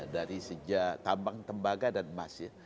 dari sejak tambang tembaga dan emas ya